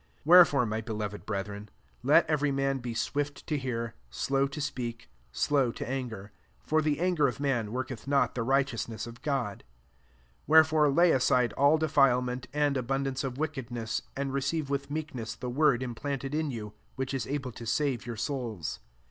19 Wherefore, my beloved brethren, let every man be swift to hear, slow to speak, slow to anger : 20 for the anger of man worketh not the righteousness of God. 21 Wherefore lay aside all defilement, and abundance of wickedness, and receive with meekness the word implanted in youy which is able to save your souls.